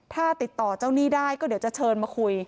ถ้าติดต่อเจ้าหนี้ได้ก็เดี๋ยวจะเชิญมาคุย